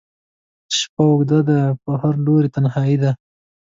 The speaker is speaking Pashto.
شپه اوږده ده په هر لوري تنهایي ده